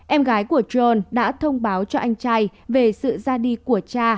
em gái của john đã thông báo cho anh trai về sự ra đi của cha